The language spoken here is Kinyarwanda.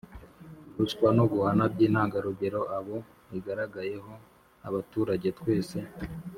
ruswa no guhana by’intangarugero abo igaragayeho. Abaturage twese